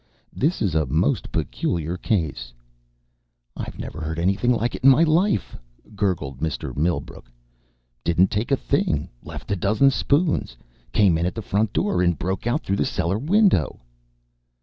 "This is a most peculiar case." "I never heard anything like it in my life!" gurgled Mr. Millbrook. "Didn't take a thing. Left a dozen spoons. Came in at the front door and broke out through the cellar window."